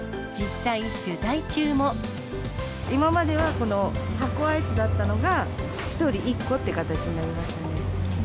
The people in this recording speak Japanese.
今まではこの箱アイスだったのが、１人１個っていう形になりましたね。